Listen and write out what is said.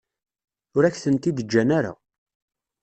Ur ak-tent-id-ǧǧan ara.